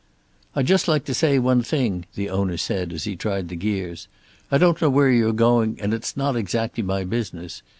"I'd just like to say one thing," the owner said, as he tried the gears. "I don't know where you're going, and it's not exactly my business.